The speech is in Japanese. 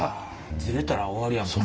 ズレたら終わりやもんね。